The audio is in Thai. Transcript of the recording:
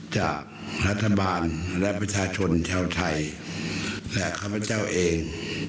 จากรัฐบาลและประชาชนชาวไทยและข้าพเจ้าเอง